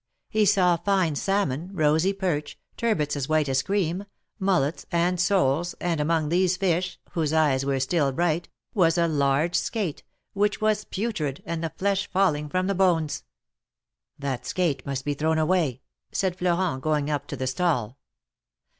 He saw fine salmon, rosy perch, turbots as white as cream, mullets, and soles, and among these fish, whose eyes were still bright, was a large skate, which was putrid, and the flesh falling from the bones. That skate must be thrown away," said Florent, going up to the stall.